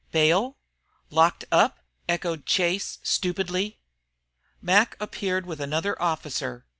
"Bail? Locked up?" echoed Chase, stupidly. Mac appeared with another officer.